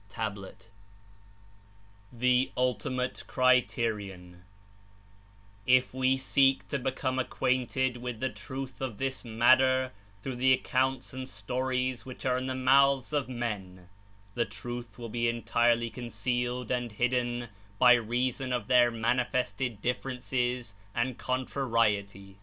(Tablet) THE ULTIMATE CRITERION "If we seek to become acquainted with the truth of this matter through the accounts and stories which are in the mouths of men, the truth will be entirely concealed and hidden by reason of their manifested differences and contrariety.